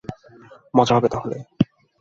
মজা হবে তাহলে।